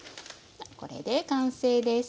これで完成です。